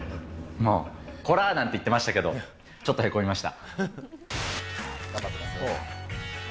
まあ、こらーなんて言ってましたけど、ちょっとへこみました。